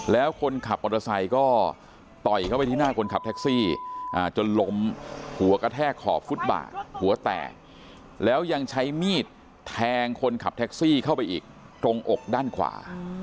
แล้วคนขับมอเตอร์ไซค์ก็ต่อยเข้าไปที่หน้าคนขับแท็กซี่จนล้มหัวกระแทกขอบฟุตบาทหัวแตกแล้วยังใช้มีดแทงคนขับแท็กซี่เข้าไปอีกตรงอกด้านขวา